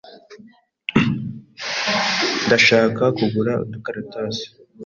Ndashaka kugura udukaratasi.